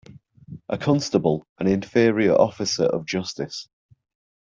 A constable an inferior officer of justice.